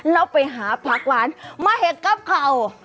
เราไปหาผักหวานมาเห็ดกับเข่า